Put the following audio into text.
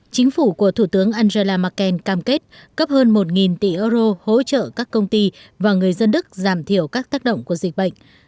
chính phủ của thủ tướng angela merkel cam kết cấp hơn một tỷ euro hỗ trợ các công ty và người dân đức giảm thiểu các tác động của dịch bệnh